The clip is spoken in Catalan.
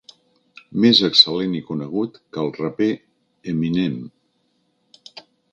Més excel·lent i conegut que el raper Eminem.